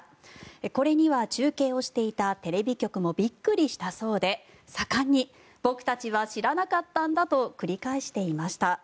これには中継をしていたテレビ局もびっくりしたそうで盛んに僕たちは知らなかったんだと繰り返していました。